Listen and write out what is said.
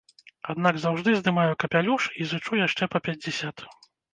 Аднак заўжды здымаю капялюш і зычу яшчэ па пяцьдзясят!